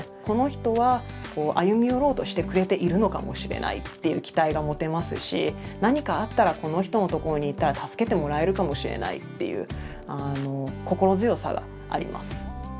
この人は歩み寄ろうとしてくれているのかもしれないっていう期待が持てますし何かあったらこの人のところに行ったら助けてもらえるかもしれないっていう心強さがあります。